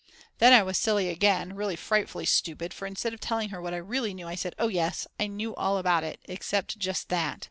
Then I was silly again, really frightfully stupid; for instead of telling her what I really knew I said: "Oh, yes, I knew all about it except just that."